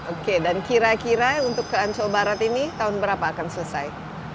oke dan kira kira untuk ke ancol barat ini tahun berapa akan selesai